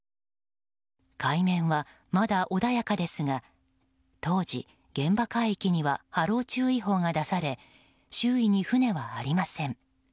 海面はまだ穏やかですが当時、現場海域には波浪注意報が出され周囲に船はありません。